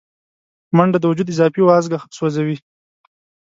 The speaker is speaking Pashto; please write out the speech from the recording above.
منډه د وجود اضافي وازګه سوځوي